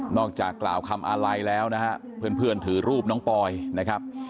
จากกล่าวคำอาลัยแล้วนะฮะเพื่อนถือรูปน้องปอยนะครับ